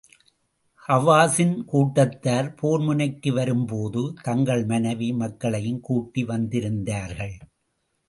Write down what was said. ஹவாஸின் கூட்டத்தார் போர் முனைக்கு வரும் போது, தங்கள் மனைவி, மக்களையும் கூட்டி வந்திருந்தார்கள்.